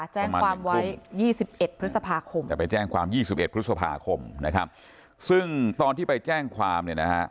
ใช่ค่ะแจ้งความไว้๒๑พฤษภาคม